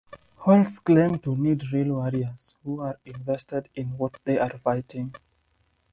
Holtz claims to need real warriors who are invested in what they are fighting.